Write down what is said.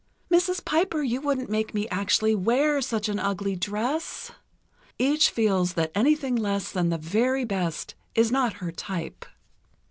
"Mrs. Piper, you wouldn't make me actually wear such an ugly dress!" Each feels that anything less than the very best is not her type.